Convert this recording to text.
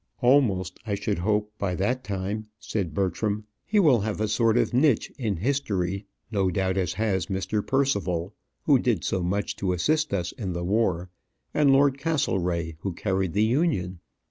"Almost, I should hope, by that time," said Bertram. "He will have a sort of a niche in history, no doubt; as has Mr. Perceval, who did so much to assist us in the war; and Lord Castlereagh, who carried the Union.